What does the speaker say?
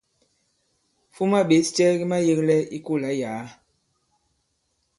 Fuma ɓěs cɛ ki mayēglɛ i kolà i yàa.